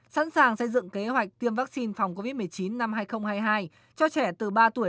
sẵn sàng xây dựng kế hoạch tiêm vaccine phòng covid một mươi chín năm hai nghìn hai mươi hai cho trẻ từ ba tuổi